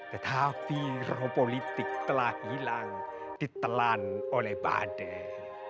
tetapi roh politik telah hilang ditelan oleh badai